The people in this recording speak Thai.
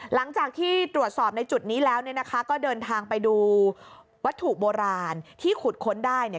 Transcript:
หลังจากที่ตรวจสอบในจุดนี้แล้วเนี่ยนะคะก็เดินทางไปดูวัตถุโบราณที่ขุดค้นได้เนี่ย